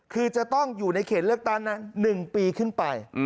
คือจะต้องอยู่ในเขตเลือกตั้งนั้น๑ปีขึ้นไป